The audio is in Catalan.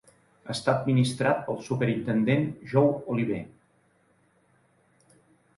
Està administrat pel superintendent Joe Oliver.